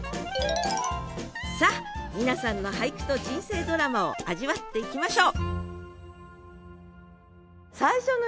さあ皆さんの俳句と人生ドラマを味わっていきましょう！